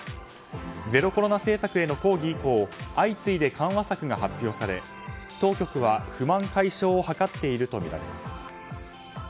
ゼロコロナ政策への抗議以降相次いで緩和策が発表され当局は不満解消を図っているとみられます。